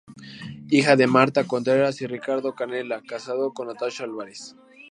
Hijo de Marta Contreras y Ricardo Canela, casado con Natasha Álvarez.